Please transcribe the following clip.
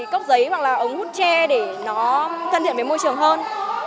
cốc giấy hoặc là ống hút tre để nó thân thiện với môi trường hơn